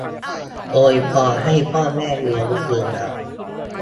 อวยพรให้พ่อแม่มีอายุยืนยาว